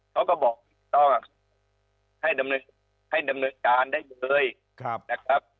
เค้าก็บอกเธอให้ดำเนินจีบได้เลยนะครับ